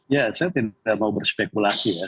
ya saya tidak mau berspekulasi ya